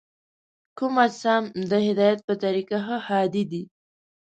کوم اجسام د هدایت په طریقه ښه هادي دي؟